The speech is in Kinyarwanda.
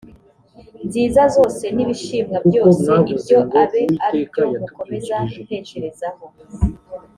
nziza zose n ibishimwa byose ibyo abe ari byo mukomeza gutekerezaho